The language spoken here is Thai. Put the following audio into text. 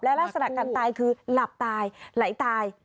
ลักษณะการตายคือหลับตายไหลตาย